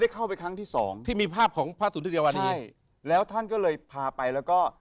เข้าไปทั้งที่สองที่มีภาพของพระสูณติวิวันแล้วท่านก็เลยพาไปแล้วก็